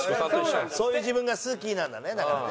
「そういう自分が好き」なんだねだからね。